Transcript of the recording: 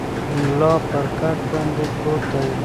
ملا پر کټ باندې پروت دی.